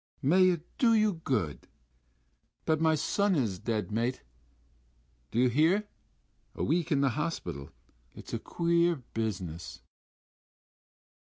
"May it do you good.... But my son is dead, mate.... Do you hear? This week in the hospital.... It's a queer business...."